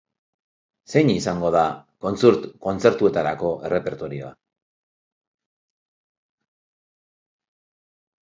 Zein izango da kontzertuetako errepertorioa?